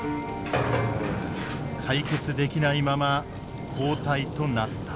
解決できないまま交代となった。